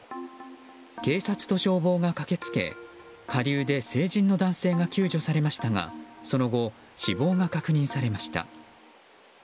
警察と消防が駆けつけ下流で成人の男性が救助されましたがその後、死亡が確認されました。